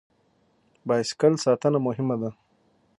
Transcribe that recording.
بایسکل ساتنه مهمه ده.